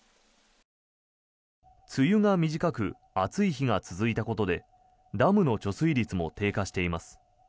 梅雨が短く暑い日が続いたことでダムの貯水率も低下しています。